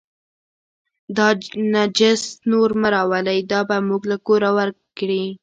دا نجس نور مه راولئ، دا به موږ له کوره ورک کړي.